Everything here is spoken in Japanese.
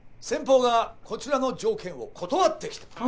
先方がこちらの条件を断ってきた。